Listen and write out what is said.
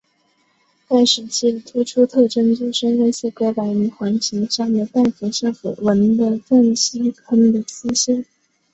该时期的突出特征就是类似哥白尼环形山的带辐射纹的撞击坑的出现。